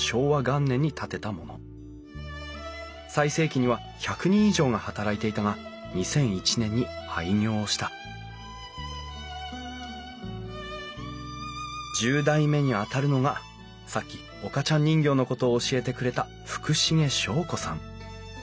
最盛期には１００人以上が働いていたが２００１年に廃業した１０代目にあたるのがさっき岡ちゃん人形のことを教えてくれた福重祥子さん。